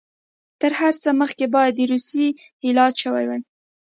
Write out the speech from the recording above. تر هر څه مخکې باید د روسیې علاج شوی وای.